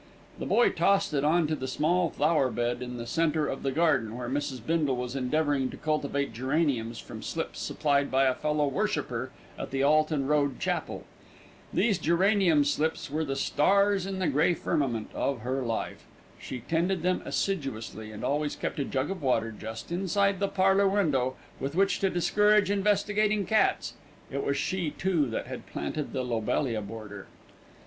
The boy tossed it on to the small flower bed in the centre of the garden, where Mrs. Bindle was endeavouring to cultivate geraniums from slips supplied by a fellow worshipper at the Alton Road Chapel. These geranium slips were the stars in the grey firmament of her life. She tended them assiduously, and always kept a jug of water just inside the parlour window with which to discourage investigating cats. It was she too that had planted the lobelia border.